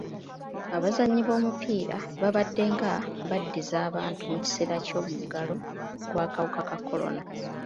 Abazannyi b'omupiira babaddenga baddiza abantu mu kiseera ky'omuggalo gw'akawuka ka kolona.